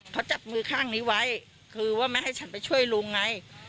เขาจับมือข้างนี้ไว้คือว่าไม่ให้ฉันไปช่วยลุงไง